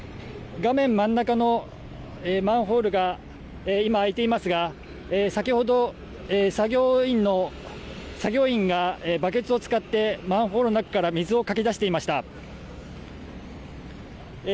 画面真ん中のマンホールが今、開いていますが先ほど作業員がバケツを使ってマンホールの中から水をかき出していました。